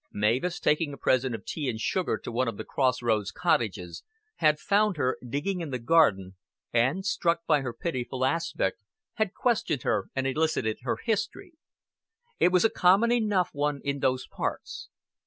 Mavis, taking a present of tea and sugar to one of the Cross Roads cottages, had found her digging in the garden, and, struck by her pitiful aspect, had questioned her and elicited her history. It was a common enough one in those parts.